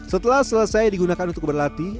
setelah selesai digunakan untuk berlatih